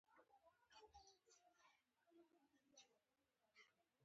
دا د کرسټېف کولمب له خوا د کشف پر مهال وه.